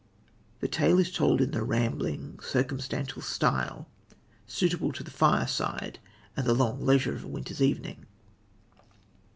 The tale is told in the rambling, circumstantial style, suitable to the fireside and the long leisure of a winter's evening.